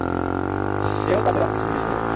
সেও তাদের অনেক কিছু জিজ্ঞেস করল।